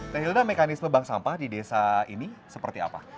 teh hilda mekanisme bank sampah di desa ini seperti apa